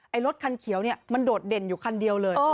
รถคันเขียวเนี่ยมันโดดเด่นอยู่คันเดียวเลย